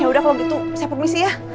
ya udah kalo gitu saya permisi ya